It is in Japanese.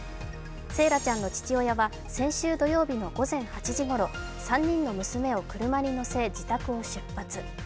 惺愛ちゃんの父親は先週土曜日の午前７時半ごろ３人の娘を車に乗せ自宅を出発。